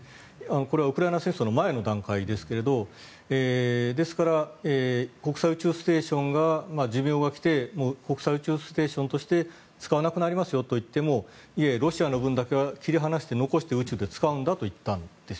これはウクライナ戦争の前の段階ですがですから国際宇宙ステーションが寿命が来て国際宇宙ステーションとして使わなくなりますよと言ってもいやいや、ロシアの分だけは切り離して残して宇宙で使うんだといったんです。